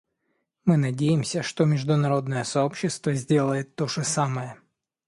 Мы надеемся, что международное сообщество сделает то же самое.